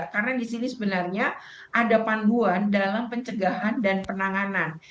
karena di sini sebenarnya ada panduan dalam pencegahan dan penanganan